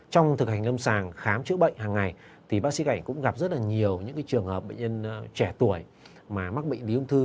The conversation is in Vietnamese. trong thực hành lâm sàng khám chữa bệnh hằng ngày bác sĩ cảnh cũng gặp rất nhiều trường hợp bệnh nhân trẻ tuổi mà mắc bệnh lý ung thư